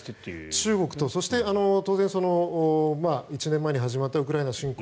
中国に対してと当然、１年前に始まったウクライナ侵攻。